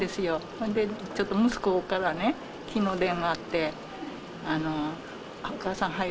それでちょっと息子からきのう電話があって、お母さんはよ